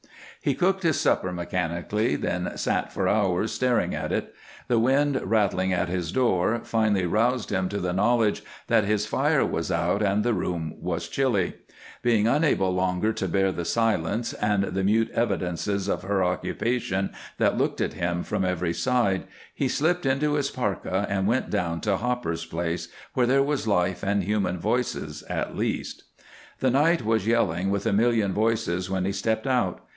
He cooked his supper mechanically, then sat for hours staring at it. The wind rattling at his door finally roused him to the knowledge that his fire was out and the room chilly. Being unable longer to bear the silence and the mute evidences of her occupation that looked at him from every side, he slipped into his parka and went down to Hopper's place, where there were life and human voices at least. The night was yelling with a million voices when he stepped out.